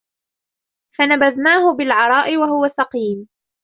فَنَبَذناهُ بِالعَراءِ وَهُوَ سَقيمٌ